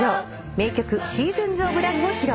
名曲『ＳｅａｓｏｎｓＯｆＬｏｖｅ』を披露。